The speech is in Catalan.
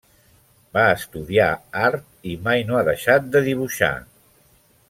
Va estudiar art i mai no ha deixat de dibuixar.